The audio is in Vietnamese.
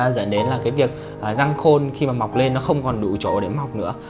dẫn đến là cái việc răng khôn khi mà mọc lên nó không còn đủ chỗ để mọc nữa